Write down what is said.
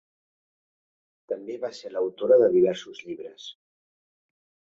També va ser l'autora de diversos llibres.